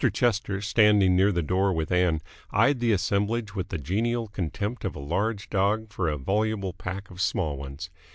Chester, standing near the door with Ann, eyed the assemblage with the genial contempt of a large dog for a voluble pack of small ones.